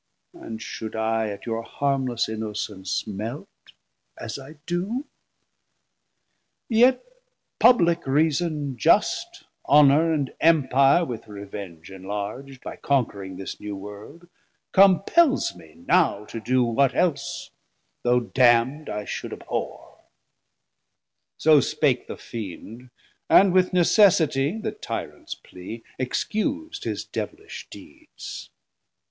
And should I at your harmless innocence Melt, as I doe, yet public reason just, Honour and Empire with revenge enlarg'd, 390 By conquering this new World, compels me now To do what else though damnd I should abhorre. So spake the Fiend, and with necessitie, The Tyrants plea, excus'd his devilish deeds.